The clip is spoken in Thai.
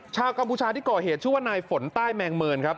กัมพูชาที่ก่อเหตุชื่อว่านายฝนใต้แมงเมินครับ